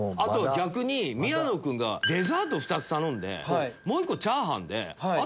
逆に宮野君がデザート２つ頼んでもう１個チャーハンで。